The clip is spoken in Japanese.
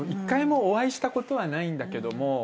１回もお会いしたことはないんだけども。